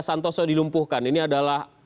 santoso dilumpuhkan ini adalah